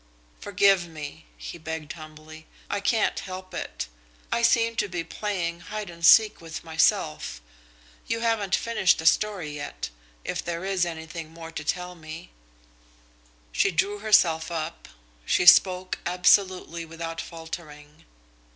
"Forgive me," he begged humbly. "I can't help it. I seem to be playing hide and seek with myself. You haven't finished the story yet if there is anything more to tell me." She drew herself up. She spoke absolutely without faltering.